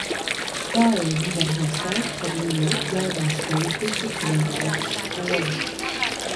Saeimu var nosaukt par lielu jaunās politiķu plejādes skolu.